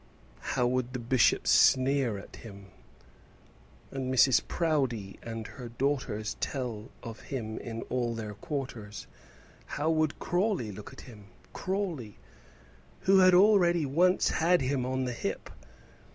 How would the bishop sneer at him, and Mrs. Proudie and her daughters tell of him in all their quarters? How would Crawley look at him Crawley, who had already once had him on the hip?